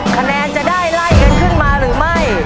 คะแนนจะได้ไล่กันขึ้นมาหรือไม่